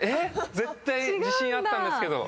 絶対自信あったんですけど。